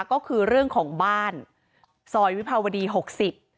ก็คือเรื่องของบ้านซอยวิภาวดีหกสิบ